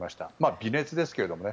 微熱ですけどもね。